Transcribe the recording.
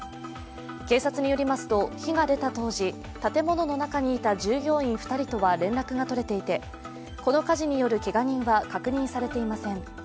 警察によりますと火が出た当時、建物の中にいた従業員２人とは連絡が取れていてこの火事によるけが人は確認されていません。